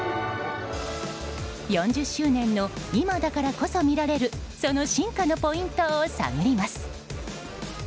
４０周年の今だからこそ見られるその進化のポイントを探ります。